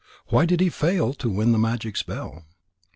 Why did he fail to win the magic spell?